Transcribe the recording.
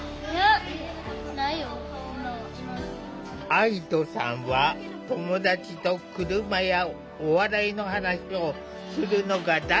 愛土さんは友達と車やお笑いの話をするのが大好き！